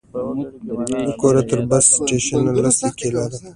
له کوره تر بس سټېشن لس دقیقې لاره ده.